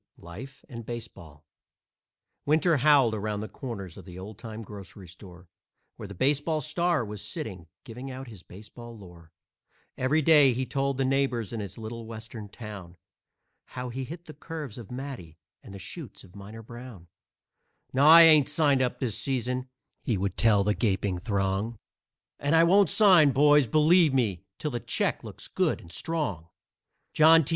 LIFE AND BASEBALL Winter howled around the corners of the old time grocery store, Where the baseball star was sitting, giving out his baseball lore. Every day he told the neighbors in his little Western town How he hit the curves of Matty and the shoots of Miner Brown. "No, I ain't signed up this season," he would tell the gaping throng, "And I won't sign boys, believe me, till the check looks good and strong. John T.